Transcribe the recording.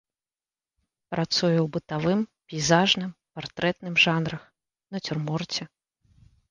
Працуе ў бытавым, пейзажным, партрэтным жанрах, нацюрморце.